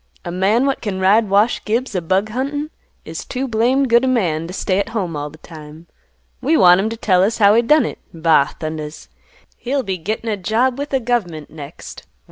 A man what can ride Wash Gibbs a bug huntin' is too blamed good a man t' stay at home all th' time. We want him t' tell us how he done it. Ba thundas! He'll be gittin' a job with th' gov'ment next.